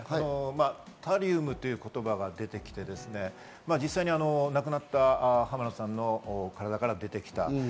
「タリウム」という言葉が出てきて、実際に亡くなった浜野さんの体から出てきた。